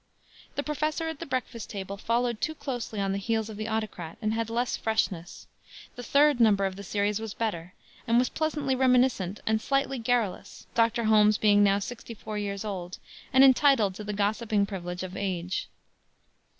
The Professor at the Breakfast Table followed too closely on the heels of the Autocrat, and had less freshness. The third number of the series was better, and was pleasantly reminiscent and slightly garrulous, Dr. Holmes being now (1873) sixty four years old, and entitled to the gossiping privilege of age.